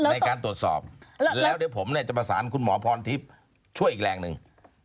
ในการตรวจสอบแล้วเดี๋ยวผมเนี่ยจะประสานคุณหมอพรทิพย์ช่วยอีกแรงหนึ่ง